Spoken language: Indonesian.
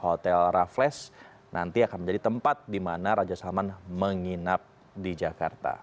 hotel raffles nanti akan menjadi tempat di mana raja salman menginap di jakarta